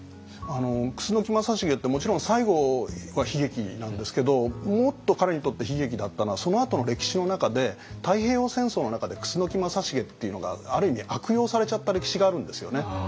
楠木正成ってもちろん最後は悲劇なんですけどもっと彼にとって悲劇だったのはそのあとの歴史の中で太平洋戦争の中で楠木正成っていうのがある意味悪用されちゃった歴史があるんですよね。